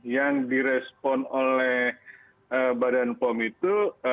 yang direspon oleh badan pom itu